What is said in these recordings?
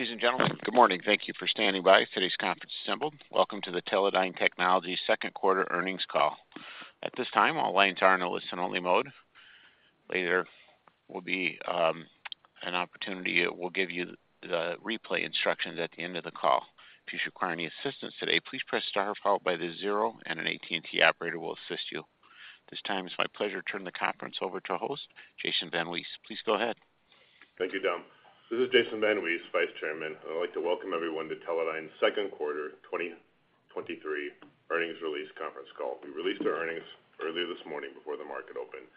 Ladies and gentlemen, good morning. Thank you for standing by. Today's conference is assembled. Welcome to the Teledyne Technologies second quarter earnings call. At this time, all lines are in a listen-only mode. Later will be an opportunity. We'll give you the replay instructions at the end of the call. If you require any assistance today, please press star, followed by the zero, and an AT&T operator will assist you. This time, it's my pleasure to turn the conference over to our host, Jason VanWees. Please go ahead. Thank you, Dom. This is Jason VanWees, vice chairman, and I'd like to welcome everyone to Teledyne's second quarter 2023 earnings release conference call. We released our earnings earlier this morning before the market opened.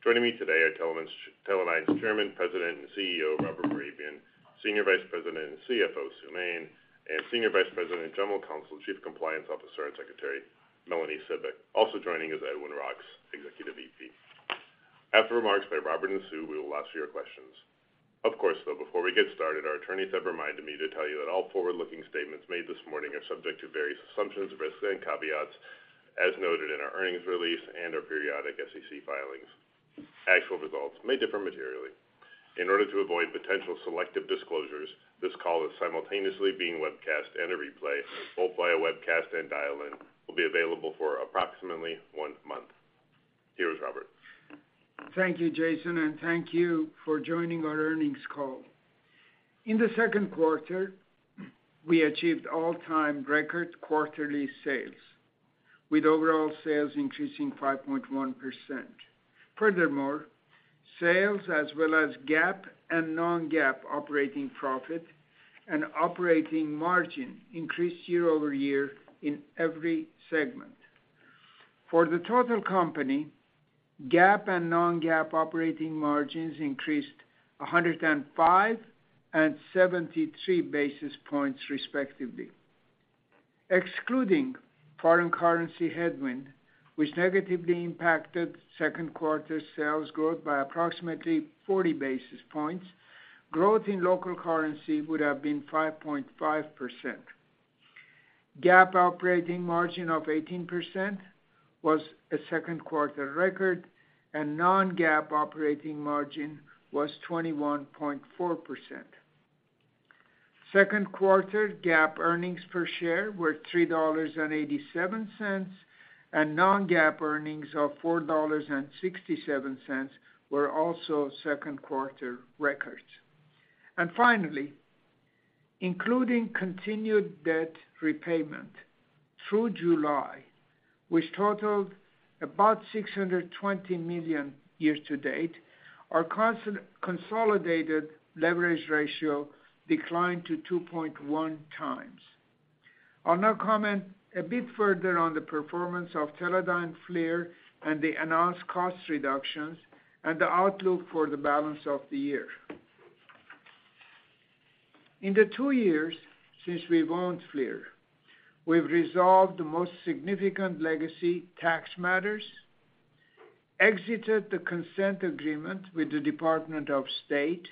Joining me today are Teledyne's chairman, president, and CEO, Robert Mehrabian; senior vice president, and CFO, Sue Main; and senior vice president, general counsel, chief compliance officer, and secretary, Melanie Cibik. Also joining is Edwin Roks, executive VP. After remarks by Robert and Sue, we will ask for your questions. Before we get started, our attorneys have reminded me to tell you that all forward-looking statements made this morning are subject to various assumptions, risks, and caveats, as noted in our earnings release and our periodic SEC filings. Actual results may differ materially. In order to avoid potential selective disclosures, this call is simultaneously being webcast and a replay, both via webcast and dial-in, will be available for approximately one month. Here's Robert. Thank you, Jason, and thank you for joining our earnings call. In the second quarter, we achieved all-time record quarterly sales, with overall sales increasing 5.1%. Furthermore, sales as well as GAAP and non-GAAP operating profit and operating margin increased year-over-year in every segment. For the total company, GAAP and non-GAAP operating margins increased 105 and 73 basis points, respectively. Excluding foreign currency headwind, which negatively impacted second quarter sales growth by approximately 40 basis points, growth in local currency would have been 5.5%. GAAP operating margin of 18% was a second quarter record, and non-GAAP operating margin was 21.4%. Second quarter GAAP earnings per share were $3.87, and non-GAAP earnings of $4.67 were also second quarter records. Finally, including continued debt repayment through July, which totaled about $620 million years-to-date, our consolidated leverage ratio declined to 2.1x. I'll now comment a bit further on the performance of Teledyne FLIR and the announced cost reductions and the outlook for the balance of the year. In the two years since we bought FLIR, we've resolved the most significant legacy tax matters, exited the consent agreement with the Department of State,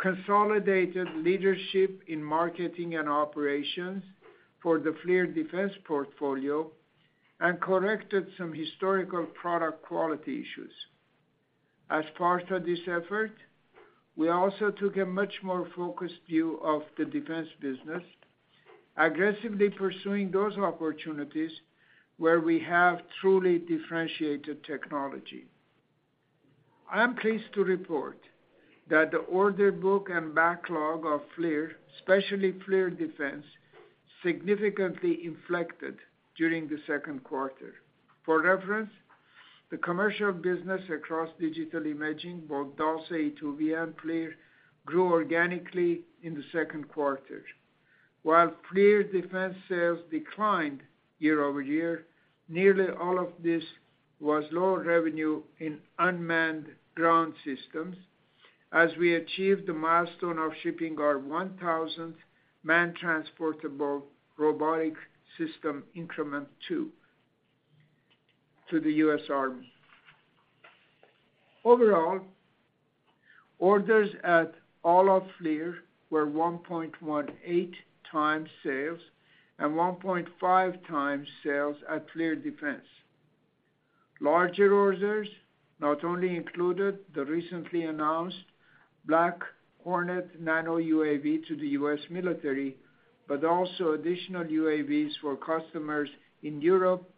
consolidated leadership in marketing and operations for the FLIR Defense portfolio, and corrected some historical product quality issues. As part of this effort, we also took a much more focused view of the defense business, aggressively pursuing those opportunities where we have truly differentiated technology. I am pleased to report that the order book and backlog of FLIR, especially FLIR Defense, significantly inflected during the second quarter. For reference, the commercial business across Digital Imaging, both DALSA, e2v, and FLIR, grew organically in the second quarter. While FLIR Defense sales declined year-over-year, nearly all of this was lower revenue in unmanned ground systems as we achieved the milestone of shipping our 1,000th Man Transportable Robotic System, Increment II, to the US Army. Overall, orders at all of FLIR were 1.18x sales and 1.5x sales at FLIR Defense. Larger orders not only included the recently announced Black Hornet Nano UAV to the U.S. military, but also additional UAVs for customers in Europe,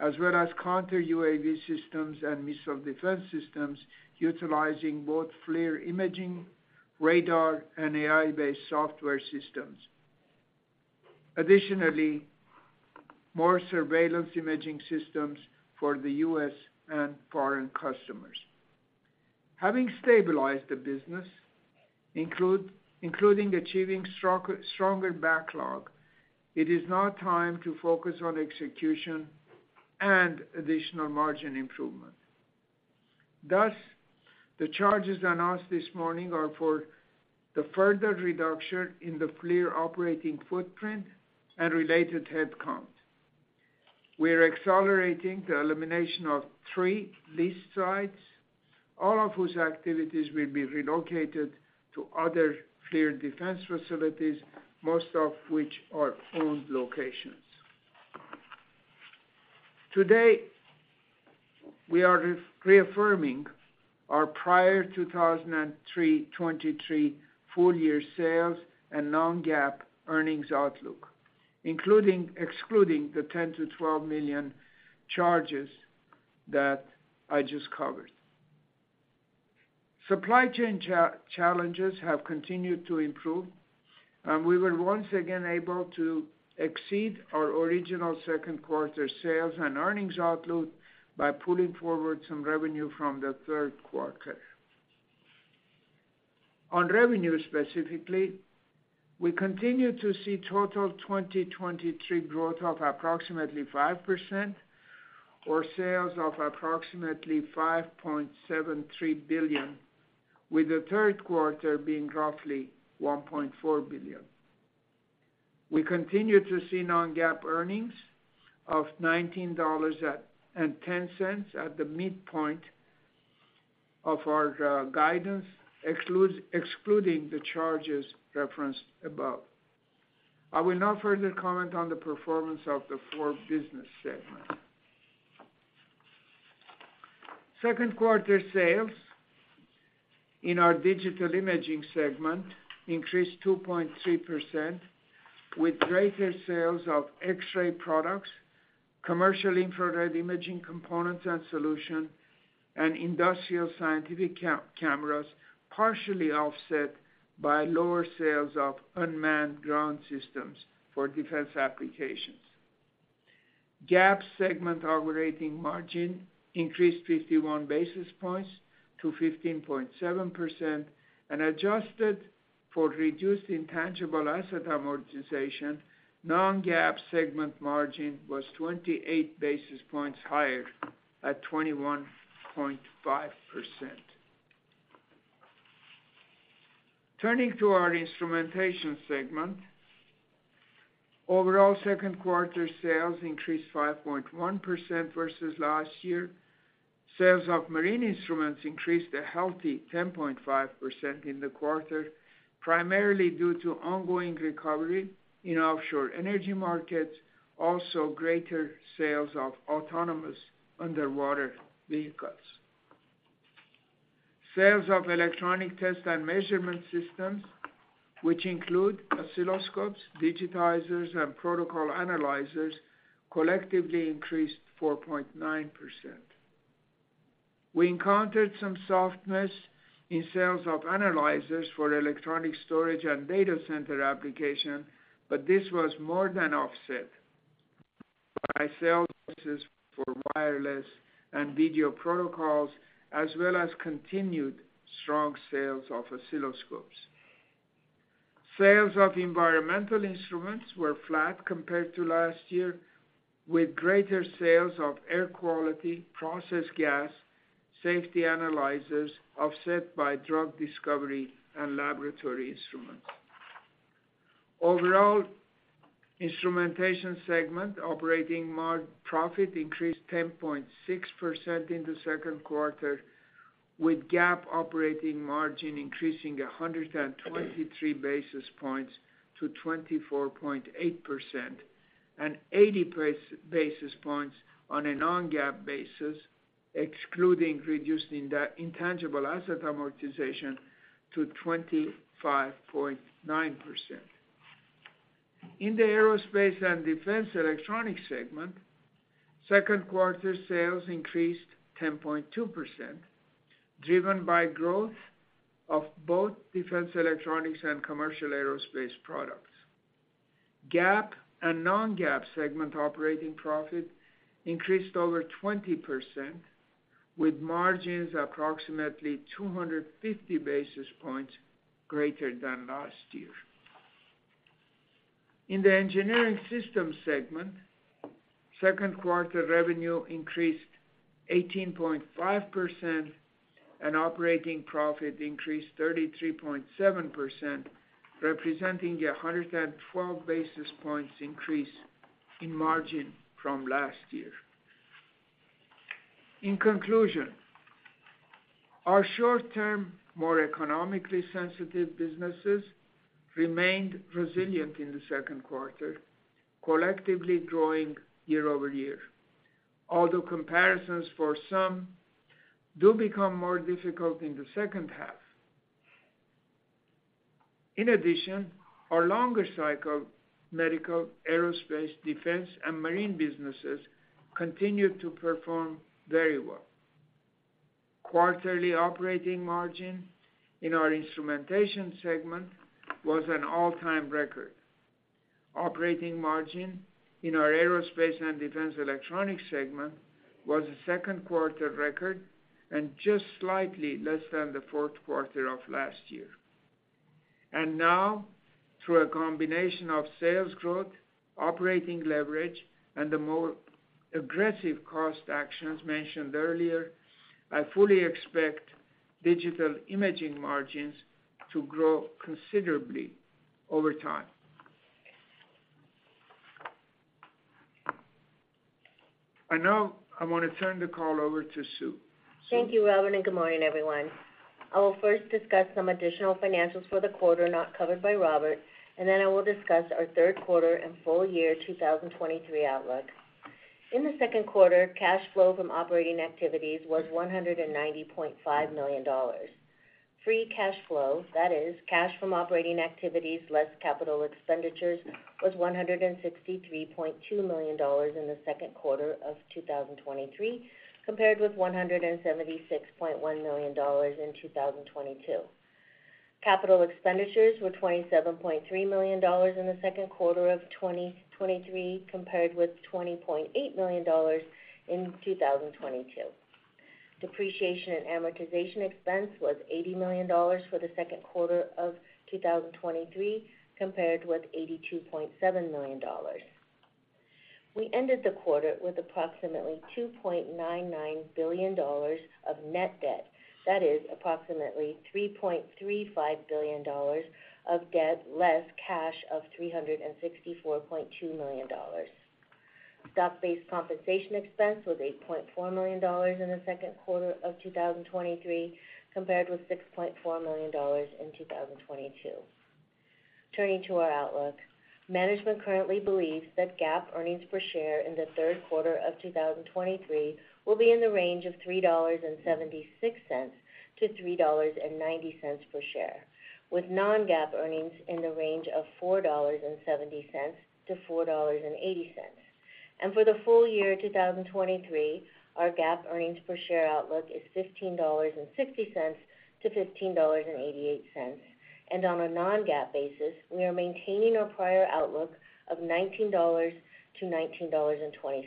as well as counter-UAV systems and missile defense systems utilizing both FLIR imaging, radar, and AI-based software systems. Additionally, more surveillance imaging systems for the U.S. and foreign customers. Having stabilized the business, including achieving stronger backlog, it is now time to focus on execution and additional margin improvement. Thus, the charges announced this morning are for the further reduction in the FLIR operating footprint and related headcount. We are accelerating the elimination of three lease sites, all of whose activities will be relocated to other FLIR defense facilities, most of which are owned locations. Today, we are reaffirming our prior 2023 full year sales and non-GAAP earnings outlook, excluding the $10 million-$12 million charges that I just covered. Supply chain challenges have continued to improve, and we were once again able to exceed our original second quarter sales and earnings outlook by pulling forward some revenue from the third quarter. On revenue specifically, we continue to see total 2023 growth of approximately 5% or sales of approximately $5.73 billion, with the third quarter being roughly $1.4 billion. We continue to see non-GAAP earnings of $19.10 at the midpoint of our guidance, excluding the charges referenced above. I will now further comment on the performance of the four business segments. Second quarter sales in our Digital Imaging segment increased 2.3%, with greater sales of X-ray products, commercial infrared imaging components and solution, and industrial scientific cameras, partially offset by lower sales of unmanned ground systems for defense applications. GAAP segment operating margin increased 51 basis points to 15.7% and adjusted for reduced intangible asset amortization, non-GAAP segment margin was 28 basis points higher at 21.5%. Turning to our Instrumentation segment, overall second quarter sales increased 5.1% versus last year. Sales of marine instruments increased a healthy 10.5% in the quarter, primarily due to ongoing recovery in offshore energy markets, also greater sales of autonomous underwater vehicles. Sales of electronic test and measurement systems, which include oscilloscopes, digitizers, and protocol analyzers, collectively increased 4.9%. We encountered some softness in sales of analyzers for electronic storage and data center application, but this was more than offset by sales for wireless and video protocols, as well as continued strong sales of oscilloscopes. Sales of environmental instruments were flat compared to last year, with greater sales of air quality, process gas, safety analyzers offset by drug discovery and laboratory instruments. Overall, Instrumentation segment operating profit increased 10.6% in the second quarter, with GAAP operating margin increasing 123 basis points to 24.8% and 80 basis points on a non-GAAP basis, excluding reducing the intangible asset amortization to 25.9%. In the Aerospace and Defense Electronics segment, second quarter sales increased 10.2%, driven by growth of both defense electronics and commercial aerospace products. GAAP and non-GAAP segment operating profit increased over 20%, with margins approximately 250 basis points greater than last year. In the Engineered Systems segment, second quarter revenue increased 18.5%, and operating profit increased 33.7%, representing a 112 basis points increase in margin from last year. In conclusion, our short-term, more economically sensitive businesses remained resilient in the second quarter, collectively growing year-over-year. Comparisons for some do become more difficult in the second half. Our longer-cycle medical, aerospace, defense, and marine businesses continued to perform very well. Quarterly operating margin in our Instrumentation segment was an all-time record. Operating margin in our Aerospace and Defense Electronics segment was a second quarter record and just slightly less than the fourth quarter of last year. Now, through a combination of sales growth, operating leverage, and the more aggressive cost actions mentioned earlier, I fully expect Digital Imaging margins to grow considerably over time. I want to turn the call over to Sue. Thank you, Robert, and good morning, everyone. I will first discuss some additional financials for the quarter not covered by Robert, and then I will discuss our third quarter and full year 2023 outlook. In the second quarter, cash flow from operating activities was $190.5 million. Free cash flow, that is, cash from operating activities, less capital expenditures, was $163.2 million in the second quarter of 2023, compared with $176.1 million in 2022. Capital expenditures were $27.3 million in the second quarter of 2023, compared with $20.8 million in 2022. Depreciation and amortization expense was $80 million for the second quarter of 2023, compared with $82.7 million. We ended the quarter with approximately $2.99 billion of net debt. That is approximately $3.35 billion of debt, less cash of $364.2 million. Stock-based compensation expense was $8.4 million in the second quarter of 2023, compared with $6.4 million in 2022. Turning to our outlook. Management currently believes that GAAP earnings per share in the third quarter of 2023 will be in the range of $3.76-$3.90 per share, with non-GAAP earnings in the range of $4.70-$4.80. For the full year 2023, our GAAP earnings per share outlook is $15.60-$15.88. On a non-GAAP basis, we are maintaining our prior outlook of $19.00-$19.20.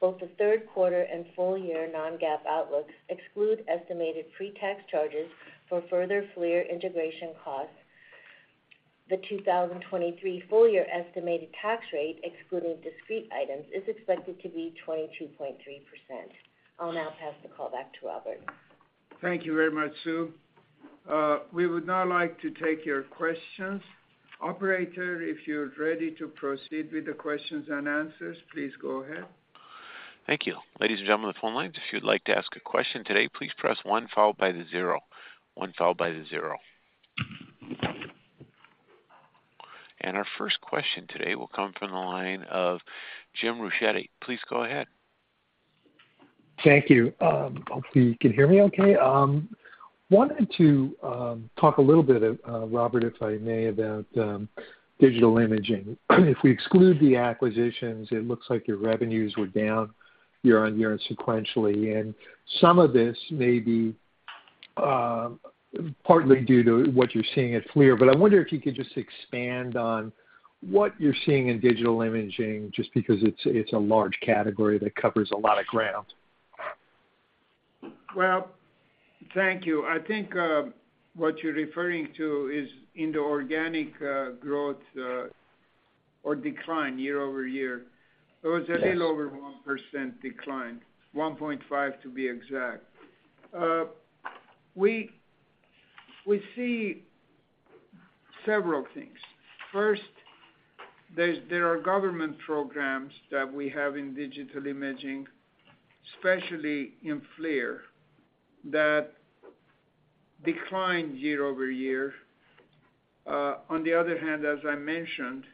Both the third quarter and full year non-GAAP outlooks exclude estimated pre-tax charges for further FLIR integration costs. The 2023 full year estimated tax rate, excluding discrete items, is expected to be 22.3%. I'll now pass the call back to Robert. Thank you very much, Sue. We would now like to take your questions. Operator, if you're ready to proceed with the questions and answers, please go ahead. Thank you. Ladies and gentlemen on the phone lines, if you'd like to ask a question today, please press one, followed by the zero. One, followed by the zero. Our first question today will come from the line of Jim Ricchiuti. Please go ahead. Thank you. Hopefully you can hear me okay. Wanted to talk a little bit, Robert, if I may, about Digital Imaging. If we exclude the acquisitions, it looks like your revenues were down year-on-year and sequentially, and some of this may be partly due to what you're seeing at FLIR. I wonder if you could just expand on what you're seeing in Digital Imaging, just because it's a large category that covers a lot of ground. Well, thank you. I think, what you're referring to is in the organic growth or decline year-over-year. Yes. It was a little over 1% decline, 1.5%, to be exact. We see several things. First, there are government programs that we have in Digital Imaging, especially in FLIR, that declined year-over-year. On the other hand, as I mentioned,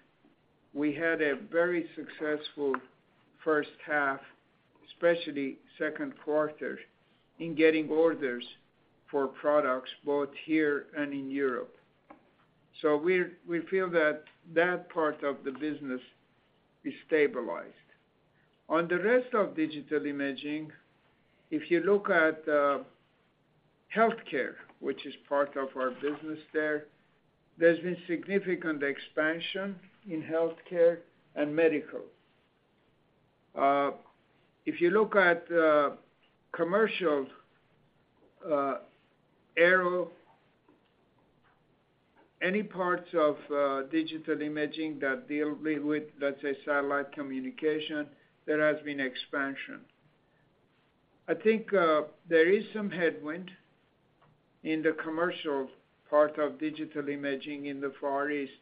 we had a very successful first half, especially second quarter, in getting orders for products both here and in Europe. We feel that that part of the business is stabilized. On the rest of Digital Imaging, if you look at healthcare, which is part of our business there's been significant expansion in healthcare and medical. If you look at commercial aero, any parts of Digital Imaging that deal with, let's say, satellite communication, there has been expansion. I think there is some headwind in the commercial part of Digital Imaging in the Far East,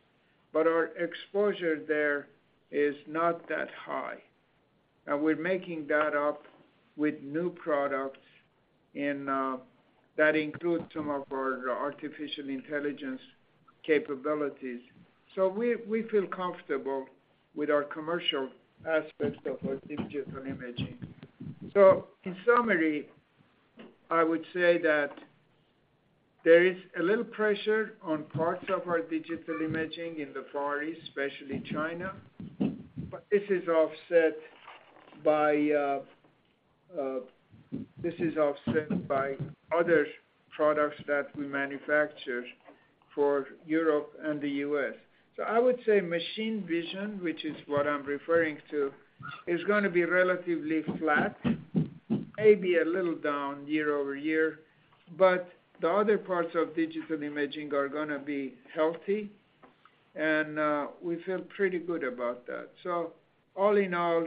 but our exposure there is not that high, and we're making that up with new products, and that includes some of our artificial intelligence capabilities. We, we feel comfortable with our commercial aspects of our Digital Imaging. In summary, I would say that there is a little pressure on parts of our Digital Imaging in the Far East, especially China, but this is offset by other products that we manufacture for Europe and the U.S. I would say machine vision, which is what I'm referring to, is gonna be relatively flat, maybe a little down year-over-year, but the other parts of Digital Imaging are gonna be healthy, and we feel pretty good about that. All in all,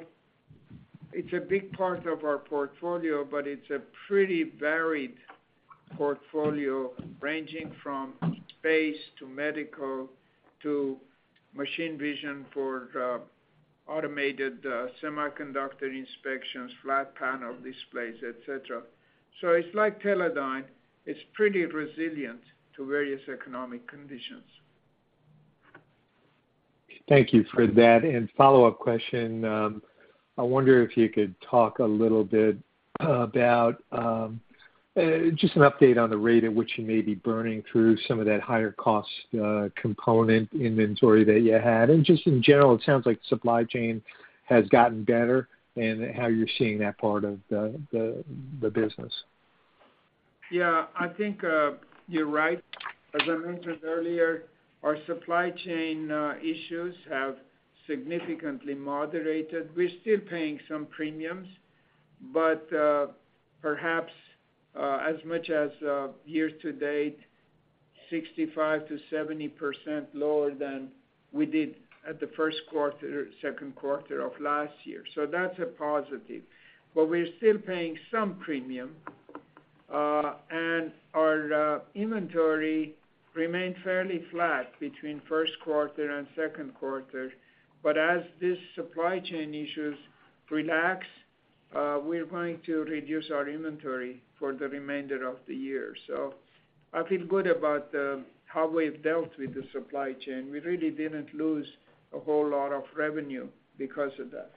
it's a big part of our portfolio, but it's a pretty varied portfolio ranging from space to medical to machine vision for automated semiconductor inspections, flat panel displays, et cetera. It's like Teledyne, it's pretty resilient to various economic conditions. Thank you for that. Follow-up question, I wonder if you could talk a little bit about, just an update on the rate at which you may be burning through some of that higher-cost component inventory that you had. Just in general, it sounds like supply chain has gotten better, and how you're seeing that part of the, the business. Yeah, I think, you're right. As I mentioned earlier, our supply chain issues have significantly moderated. We're still paying some premiums, but perhaps as much as year to date, 65%-70% lower than we did at the first quarter, second quarter of last year. That's a positive. We're still paying some premium, and our inventory remained fairly flat between first quarter and second quarter. As these supply chain issues relax, we're going to reduce our inventory for the remainder of the year. I feel good about how we've dealt with the supply chain. We really didn't lose a whole lot of revenue because of that.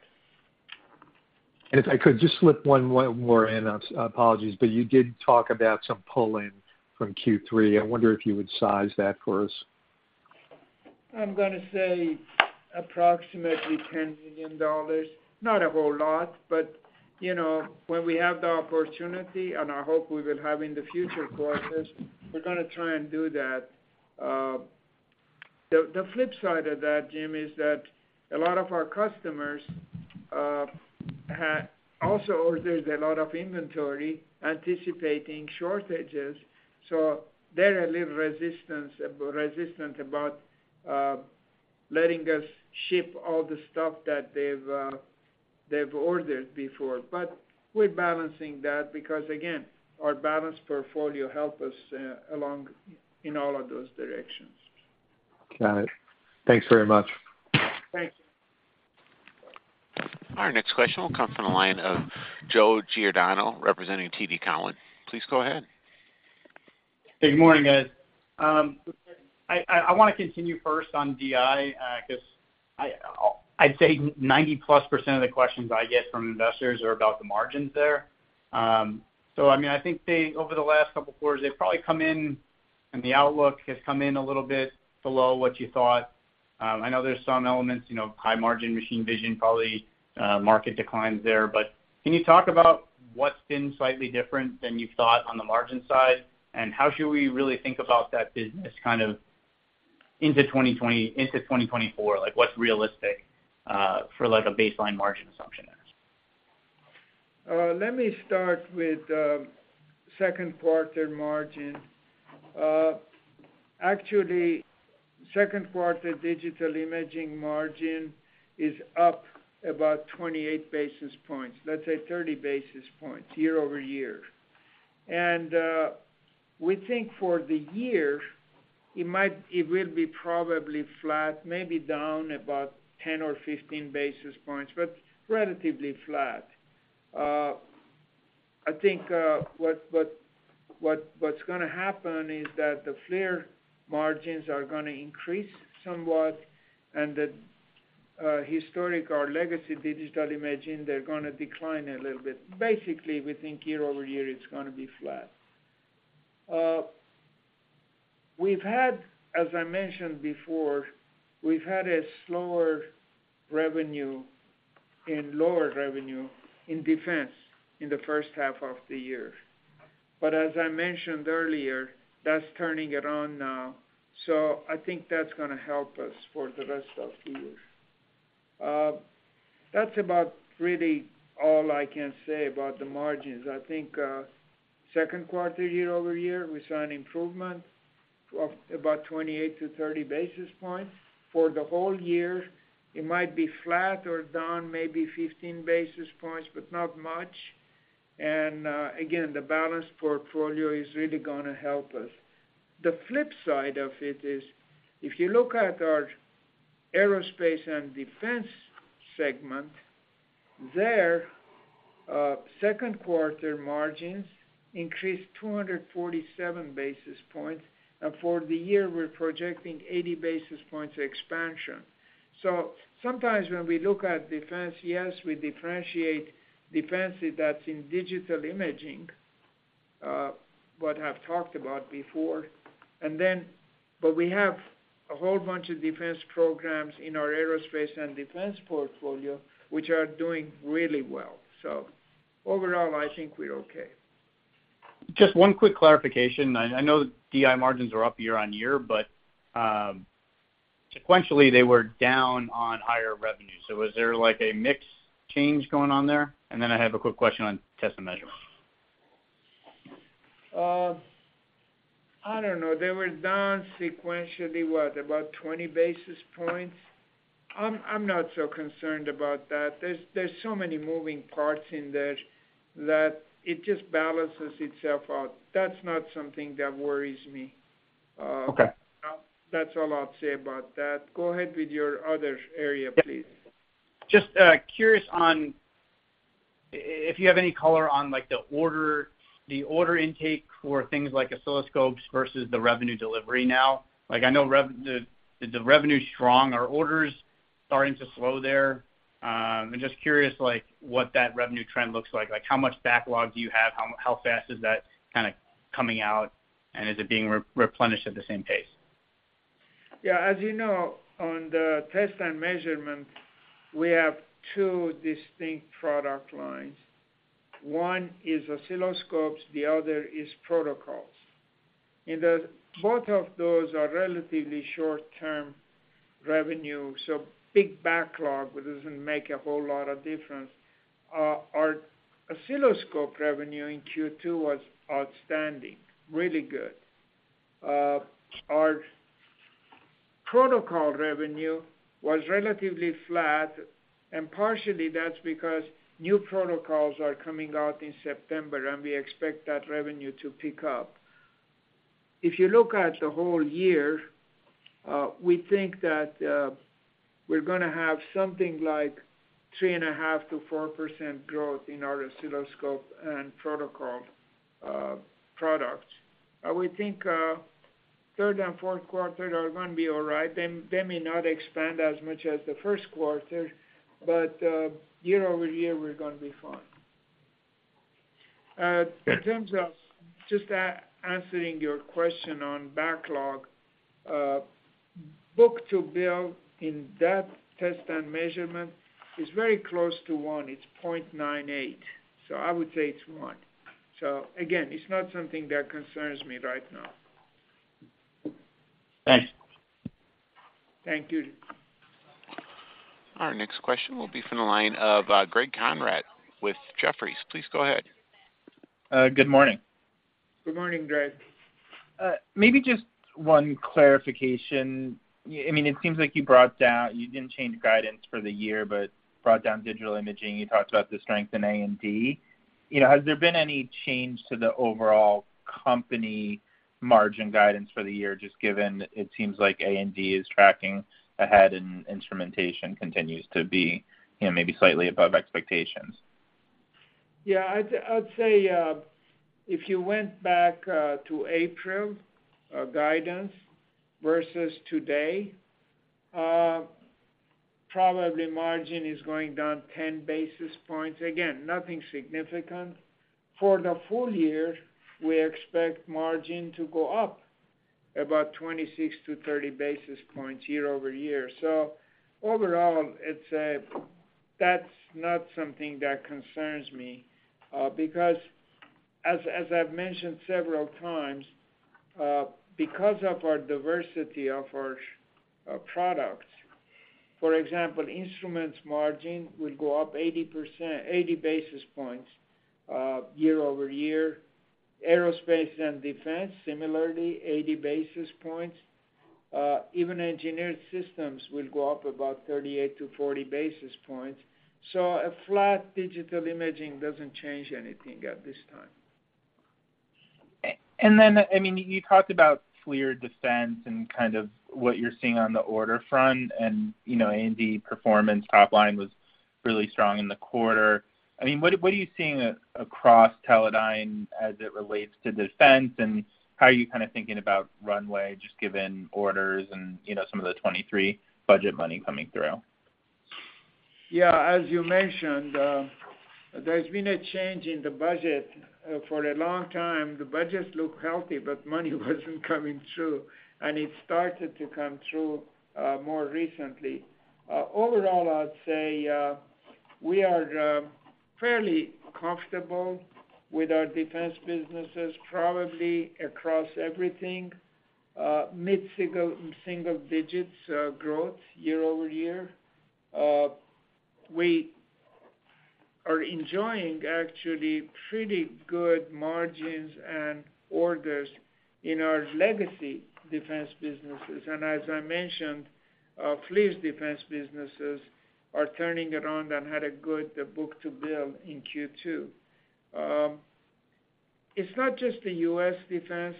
If I could just slip one more in, apologies, but you did talk about some pull-in from Q3. I wonder if you would size that for us? I'm gonna say approximately $10 million. Not a whole lot, but, you know, when we have the opportunity, and I hope we will have in the future quarters, we're gonna try and do that. The flip side of that, Jim, is that a lot of our customers had also ordered a lot of inventory, anticipating shortages, so they're a little resistant about letting us ship all the stuff that they've ordered before. We're balancing that because, again, our balanced portfolio help us along in all of those directions. Got it. Thanks very much. Thank you. Our next question will come from the line of Joe Giordano, representing TD Cowen. Please go ahead. Good morning, guys. I wanna continue first on DI, 'cause I'd say 90%+ of the questions I get from investors are about the margins there. I mean, I think they, over the last couple of quarters, they've probably come in, and the outlook has come in a little bit below what you thought. I know there's some elements, you know, high margin, machine vision, probably, market declines there. Can you talk about what's been slightly different than you thought on the margin side? How should we really think about that business kind of into 2020, into 2024? Like, what's realistic, for, like, a baseline margin assumption there? Uh, let me start with, um, second quarter margin. Uh, actually, second quarter Digital Imaging margin is up about 28bbasis points, let's say 30 basis points, year-over-year. And, uh, we think for the year, it might, it will be probably flat, maybe down about 10 or 15 basis points, but relatively flat. Uh, I think, uh, what, what, what, what's gonna happen is that the flare margins are gonna increase somewhat, and the, uh, historic or legacy digital imaging, they're gonna decline a little bit. Basically, we think year-over-year, it's gonna be flat. Uh, we've had, as I mentioned before, we've had a slower revenue and lower revenue in defense in the first half of the year. But as I mentioned earlier, that's turning around now, so I think that's gonna help us for the rest of the year. That's about really all I can say about the margins. I think, second quarter, year-over-year, we saw an improvement of about 28-30 basis points. For the whole year, it might be flat or down, maybe 15 basis points, but not much. Again, the balanced portfolio is really gonna help us. The flip side of it is, if you look at our Aerospace and Defense segment, there, second quarter margins increased 247 basis points, and for the year, we're projecting 80 basis points expansion. Sometimes when we look at defense, yes, we differentiate defense that's in Digital Imaging, what I've talked about before. We have a whole bunch of defense programs in our Aerospace and Defense portfolio, which are doing really well. Overall, I think we're okay. Just one quick clarification. I know DI margins are up year-on-year, but sequentially, they were down on higher revenue. Was there, like, a mix change going on there? Then I have a quick question on Test and Measurement. I don't know, they were down sequentially, what, about 20 basis points? I'm not so concerned about that. There's so many moving parts in there that it just balances itself out. That's not something that worries me. Okay. That's all I'll say about that. Go ahead with your other area, please. Just curious on if you have any color on, like, the order intake for things like oscilloscopes versus the revenue delivery now. Like, I know the revenue's strong. Are orders starting to slow there? I'm just curious, like, what that revenue trend looks like. Like, how much backlog do you have? How fast is that kind of coming out, and is it being replenished at the same pace? Yeah, as you know, on the Test and Measurement, we have two distinct product lines. One is oscilloscopes, the other is protocols. The both of those are relatively short-term revenue, so big backlog, but doesn't make a whole lot of difference. Our oscilloscope revenue in Q2 was outstanding, really good. Our protocol revenue was relatively flat, and partially that's because new protocols are coming out in September, and we expect that revenue to pick up. If you look at the whole year, we think that we're gonna have something like 3.5%-4% growth in our oscilloscope and protocol products. We think third and fourth quarter are gonna be all right. They may not expand as much as the first quarter, but year-over-year, we're gonna be fine. In terms of just answering your question on backlog, book-to-bill in that Test and Measurement is very close to 1. It's 0.98, so I would say it's 1. Again, it's not something that concerns me right now. Thanks. Thank you. Our next question will be from the line of Greg Konrad with Jefferies. Please go ahead. Good morning. Good morning, Greg. Maybe just one clarification. I mean, it seems like you brought down, you didn't change guidance for the year, but brought down Digital Imaging. You talked about the strength in A&D. You know, has there been any change to the overall company margin guidance for the year, just given it seems like A&D is tracking ahead, and Instrumentation continues to be, you know, maybe slightly above expectations? Yeah, I'd say, if you went back to April, guidance versus today, probably margin is going down 10 basis points. Again, nothing significant. For the full year, we expect margin to go up about 26-30 basis points year-over-year. Overall, I'd say that's not something that concerns me, because as I've mentioned several times, because of our diversity of our products, for example, Instrumentation margin will go up 80 basis points year-over-year. Aerospace and Defense, similarly, 80 basis points. Even Engineered Systems will go up about 38-40 basis points. A flat Digital Imaging doesn't change anything at this time. I mean, you talked about FLIR Defense and kind of what you're seeing on the order front, and, you know, A&D performance top line was really strong in the quarter. I mean, what are you seeing across Teledyne as it relates to Defense, and how are you kind of thinking about runway, just given orders and, you know, some of the 2023 budget money coming through? Yeah, as you mentioned, there's been a change in the budget. For a long time, the budgets looked healthy, but money wasn't coming through, it started to come through more recently. Overall, I'd say, we are fairly comfortable with our Defense businesses, probably across everything, mid-single, single digits, growth year-over-year. We are enjoying actually pretty good margins and orders in our legacy Defense businesses. As I mentioned, FLIR's Defense businesses are turning around and had a good book-to-bill in Q2. It's not just the U.S. Defense.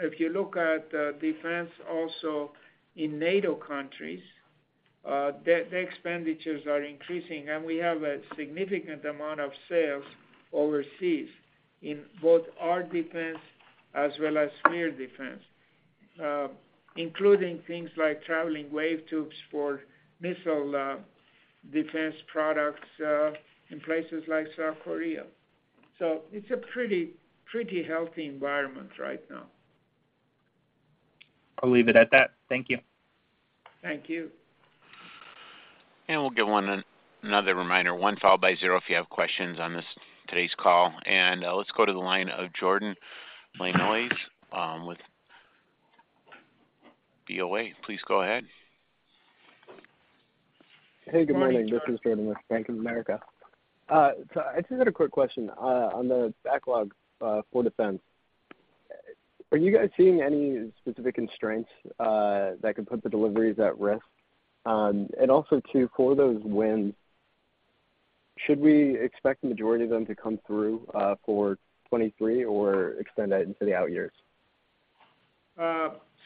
If you look at Defense also in NATO countries, the expenditures are increasing, and we have a significant amount of sales overseas in both our Defense as well as Teledyne FLIR Defense, including things like traveling wave tubes for missile defense products in places like South Korea. It's a pretty healthy environment right now. I'll leave it at that. Thank you. Thank you. We'll give one, another reminder, one followed by zero if you have questions on this, today's call. Let's go to the line of Jordan Lyonnais with BOA. Please go ahead. Hey, good morning. This is Jordan with Bank of America. I just had a quick question on the backlog for Defense. Are you guys seeing any specific constraints that could put the deliveries at risk? Also, too, for those wins, should we expect the majority of them to come through for 2023 or extend out into the out years?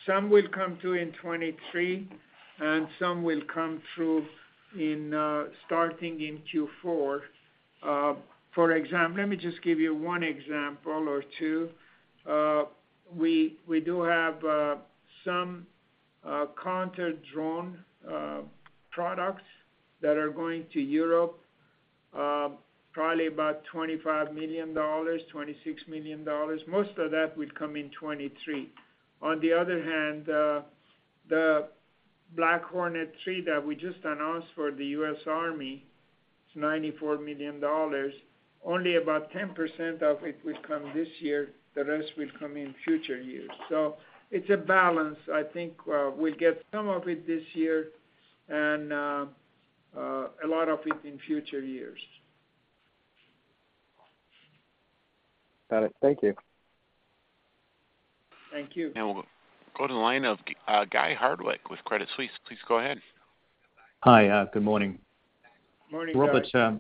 Some will come through in 2023, and some will come through in, starting in Q4. For example, let me just give you one example or two. We, we do have some counter-drone products that are going to Europe, probably about $25 million, $26 million. Most of that would come in 2023. On the other hand, the Black Hornet 3 that we just announced for the U.S. Army, it's $94 million. Only about 10% of it will come this year, the rest will come in future years. It's a balance. I think we'll get some of it this year and a lot of it in future years. Got it. Thank you. Thank you. Go to the line of Guy Hardwick with Credit Suisse. Please go ahead. Hi, good morning. Morning, Guy.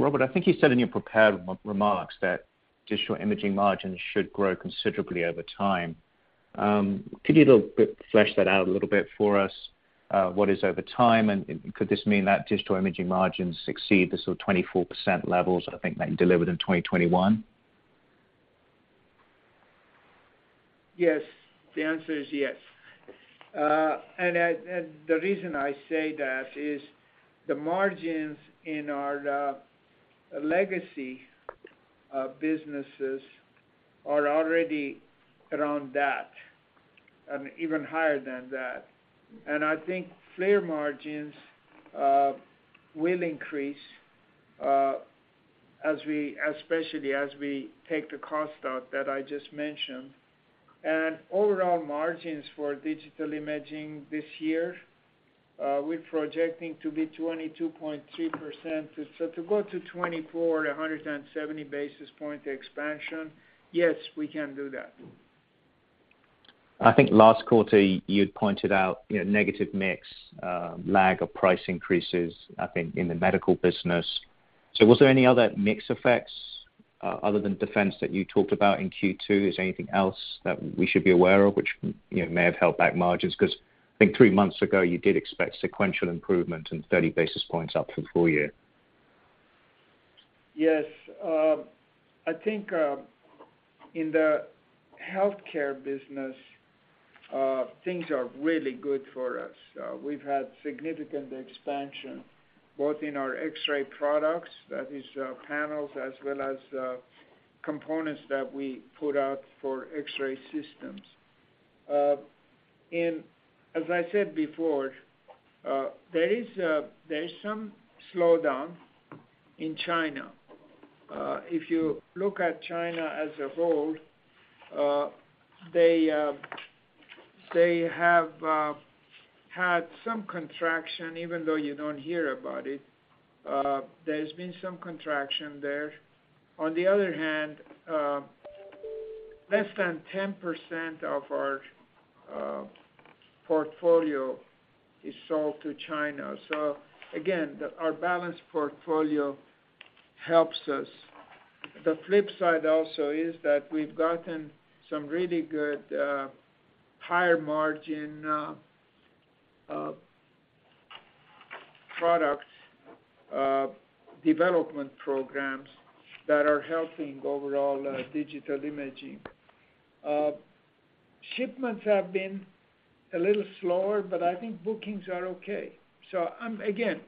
Robert, I think you said in your prepared remarks that Digital Imaging margins should grow considerably over time. Could you a little bit flesh that out a little bit for us? What is over time, and could this mean that Digital Imaging margins exceed the sort of 24% levels I think that you delivered in 2021? Yes. The answer is yes. The reason I say that is the margins in our legacy businesses are already around that, and even higher than that. I think FLIR margins will increase, especially as we take the cost out that I just mentioned. Overall margins for Digital Imaging this year, we're projecting to be 22.3%. To go to 24 to a 170 basis point expansion, yes, we can do that. I think last quarter, you'd pointed out, you know, negative mix, lag of price increases, I think, in the medical business. Was there any other mix effects, other than Defense, that you talked about in Q2? Is there anything else that we should be aware of which, you know, may have held back margins? I think three months ago, you did expect sequential improvement and 30 basis points up for the full year. Yes. I think in the Healthcare business, things are really good for us. We've had significant expansion, both in our X-ray products, that is, panels as well as components that we put out for X-ray systems. As I said before, there is some slowdown in China. If you look at China as a whole, they have had some contraction, even though you don't hear about it. There's been some contraction there. On the other hand, less than 10% of our portfolio is sold to China. Again, the, our balanced portfolio helps us. The flip side also is that we've gotten some really good, higher margin, products, development programs that are helping overall Digital Imaging. Shipments have been a little slower, I think bookings are okay. I'm again,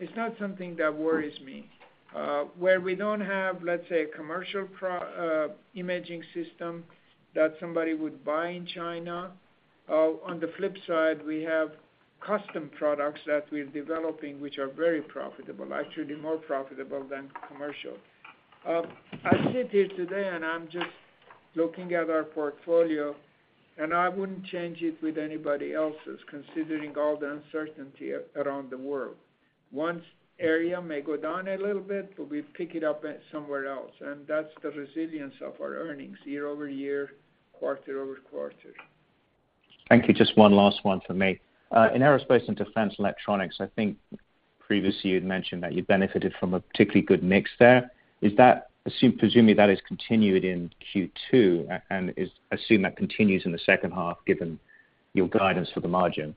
it's not something that worries me. Where we don't have, let's say, a commercial imaging system that somebody would buy in China, on the flip side, we have custom products that we're developing which are very profitable, actually more profitable than commercial. I sit here today, and I'm just looking at our portfolio, and I wouldn't change it with anybody else's, considering all the uncertainty around the world. One area may go down a little bit, we pick it up at somewhere else, and that's the resilience of our earnings year-over-year, quarter-over-quarter. Thank you. Just one last one for me. In Aerospace and Defense Electronics, I think previously you'd mentioned that you benefited from a particularly good mix there. Is that, presumably, that has continued in Q2, and is, assume that continues in the second half, given your guidance for the margin?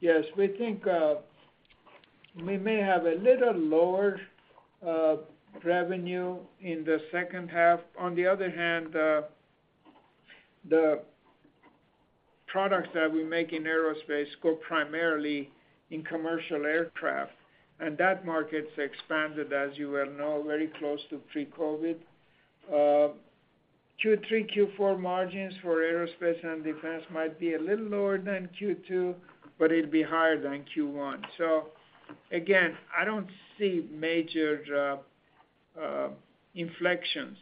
Yes. We think we may have a little lower revenue in the second half. The products that we make in Aerospace go primarily in commercial aircraft, and that market's expanded, as you well know, very close to pre-COVID. Q3, Q4 margins for Aerospace and Defense might be a little lower than Q2, but it'll be higher than Q1. Again, I don't see major inflections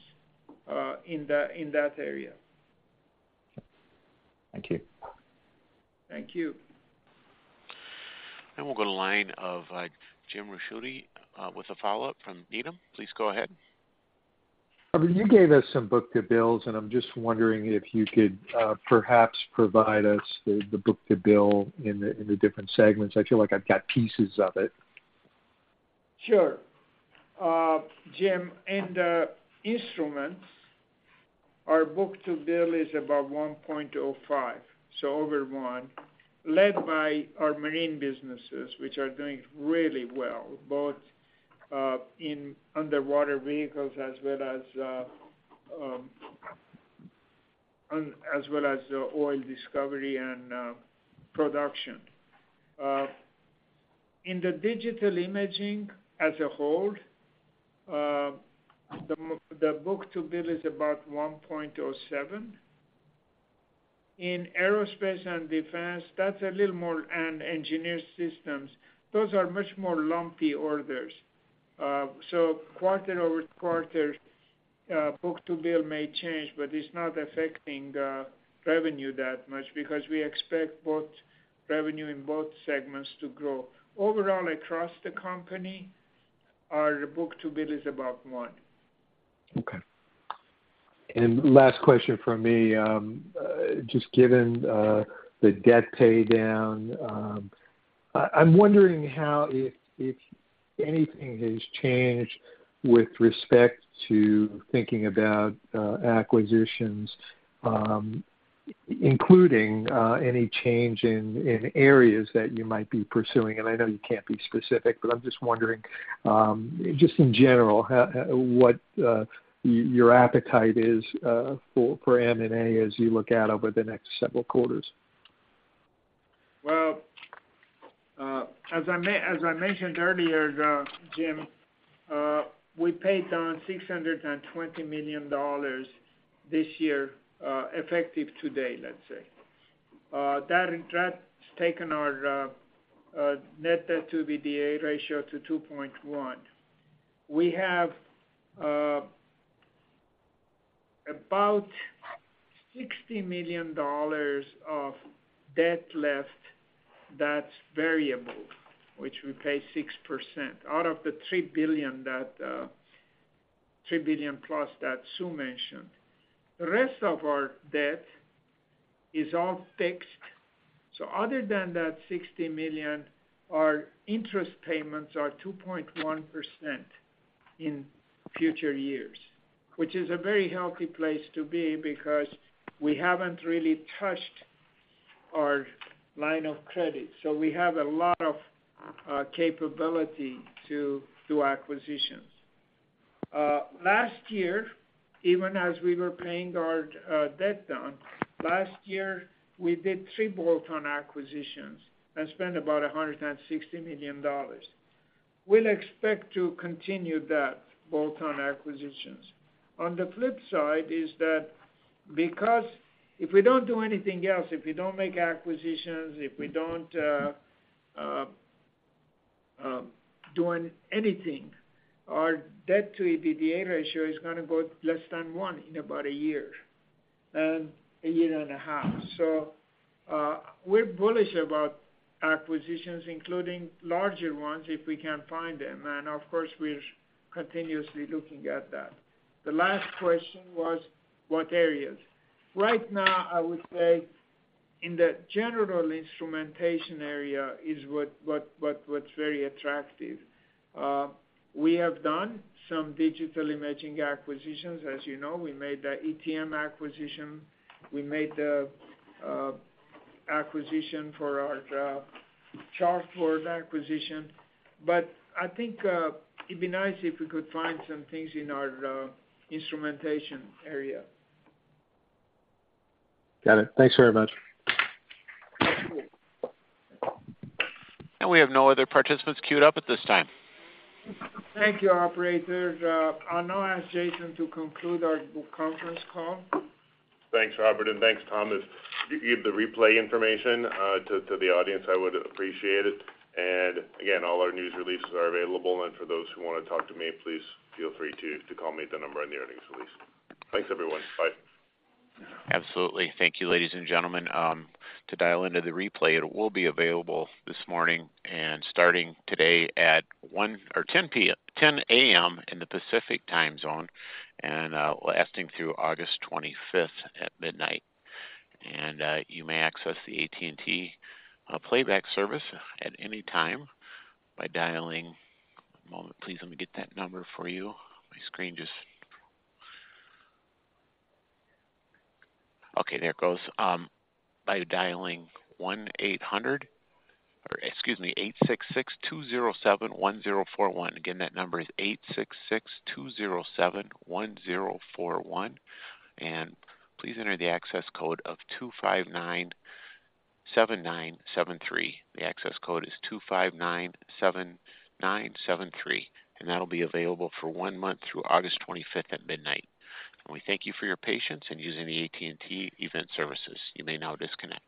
in that area. Thank you. Thank you. We'll go to line of, Jim Ricchiuti, with a follow-up from Needham. Please go ahead. You gave us some book-to-bills, and I'm just wondering if you could, perhaps provide us the book-to-bill in the, in the different segments. I feel like I've got pieces of it. Sure. Jim, in the Instruments, our book-to-bill is about 1.05, so over 1, led by our marine businesses, which are doing really well, both in underwater vehicles as well as the oil discovery and production. In the Digital Imaging as a whole, the book-to-bill is about 1.07. In Aerospace and Defense, that's a little more, and Engineered Systems, those are much more lumpy orders. Quarter-over-quarter, book-to-bill may change, but it's not affecting the revenue that much because we expect both revenue in both segments to grow. Overall, across the company, our book-to-bill is about 1. Okay. Last question from me. Just given the debt pay down, I'm wondering how, if anything has changed with respect to thinking about acquisitions, including any change in areas that you might be pursuing. I know you can't be specific, but I'm just wondering, just in general, how, what your appetite is for M&A as you look out over the next several quarters? Well, as I mentioned earlier, Jim, we paid down $620 million this year, effective today, let's say. That's taken our net debt to EBITDA ratio to 2.1. We have about $60 million of debt left that's variable, which we pay 6% out of the $3 billion that, $3 billion+ that Sue mentioned. The rest of our debt is all fixed. Other than that $60 million, our interest payments are 2.1% in future years, which is a very healthy place to be because we haven't really touched our line of credit, so we have a lot of capability to do acquisitions. Last year, even as we were paying our debt down, last year, we did three bolt-on acquisitions and spent about $160 million. We'll expect to continue that bolt-on acquisitions. On the flip side is that because if we don't do anything else, if we don't make acquisitions, if we don't doing anything, our debt to EBITDA ratio is gonna go less than 1 in about a year, and a year and a half. We're bullish about acquisitions, including larger ones, if we can find them, and of course, we're continuously looking at that. The last question was what areas? Right now, I would say in the general Instrumentation area is what's very attractive. We have done some Digital Imaging acquisitions. As you know, we made the ETM acquisition. We made the acquisition for our, ChartWorld acquisition. I think it'd be nice if we could find some things in our Instrumentation area. Got it. Thanks very much. We have no other participants queued up at this time. Thank you, operator. I'll now ask Jason to conclude our conference call. Thanks, Robert, and thanks, Thomas. If you give the replay information, to the audience, I would appreciate it. Again, all our news releases are available, and for those who wanna talk to me, please feel free to call me at the number on the earnings release. Thanks, everyone. Bye. Absolutely. Thank you, ladies and gentlemen. To dial into the replay, it will be available this morning and starting today at 10 A.M. in the Pacific Time Zone, lasting through August 25th at midnight. You may access the AT&T playback service at any time by dialing... One moment, please, let me get that number for you. My screen. Okay, there it goes. By dialing 1-800, or excuse me, 866-207-1041. Again, that number is 866-207-1041. Please enter the access code of 2597973. The access code is 2597973. That'll be available for 1 month through August 25th at midnight. We thank you for your patience in using the AT&T event services. You may now disconnect.